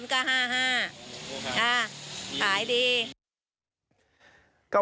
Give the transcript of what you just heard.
ขายดี